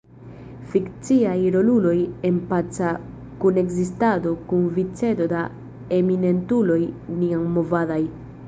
Fikciaj roluloj en paca kunekzistado kun vicedo da eminentuloj niamovadaj.